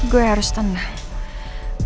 gue harus tenang